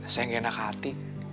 saya enggak enak hati